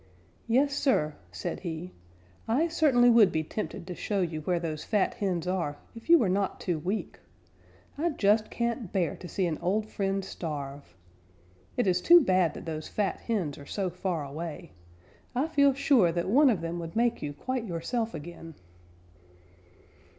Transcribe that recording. "Yes, Sir," said he, "I certainly would be tempted to show you where those fat hens are if you were not too weak. I just can't bear to see an old friend starve. It is too bad that those fat hens are so far away. I feel sure that one of them would make you quite yourself again."